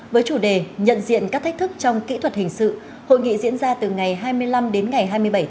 với chủ đề nhận diện các thách thức trong kỹ thuật hình sự hội nghị diễn ra từ ngày hai mươi năm đến ngày hai mươi bảy tháng hai năm hai nghìn